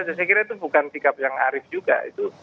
saya kira itu bukan sikap yang arif juga itu